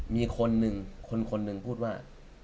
มีคนหนึ่งคนหนึ่งพูดว่า